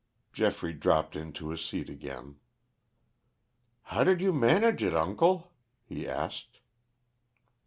Geoffrey dropped into his seat again. "How did you manage it, uncle?" he asked.